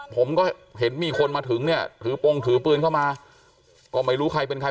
ผมก็เห็นมีคนมาถึงเนี่ยถือปงถือปืนเข้ามาก็ไม่รู้ใครเป็นใคร